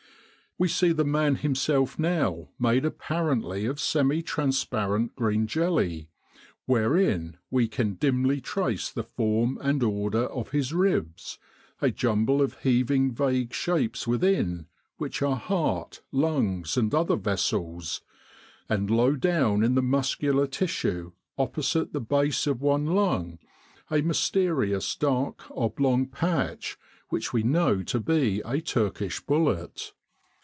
We see the man himself now made apparently of semi transparent green jelly, wherein we can dimly trace the form and order of his ribs, a jumble of heaving vague shapes within, which are heart, lungs, and other vessels; and low down in the muscular tissue opposite the base of one lung, a mysterious dark oblong patch which we know to be a Turkish bullet.